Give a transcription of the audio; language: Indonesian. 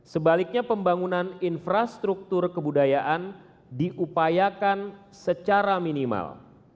sebaliknya pembangunan infrastruktur kebudayaan diupayakan secara minimal